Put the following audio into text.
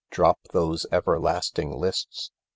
Drop those everlasting lists.